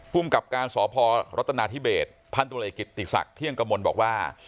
ภูมิกับการสพรัฐนาธิเบสพันธุรกิจติศักดิ์เที่ยงกมลบอกว่า